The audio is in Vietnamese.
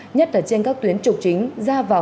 nhất là trên các tuyến trục chính ra vào